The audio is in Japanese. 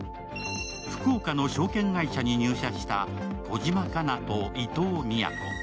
福岡の証券会社に入社した小島佳那と伊東水矢子。